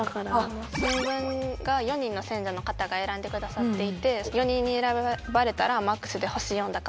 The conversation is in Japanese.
新聞が４人の選者の方が選んで下さっていて４人に選ばれたらマックスで星４だから。